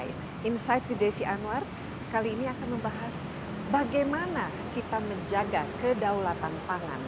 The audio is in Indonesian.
insight with desi anwar kali ini akan membahas bagaimana kita menjaga kedaulatan pangan